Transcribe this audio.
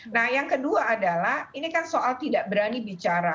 nah yang kedua adalah ini kan soal tidak berani bicara